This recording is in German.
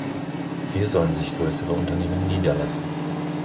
Hier sollen sich größere Unternehmen niederlassen.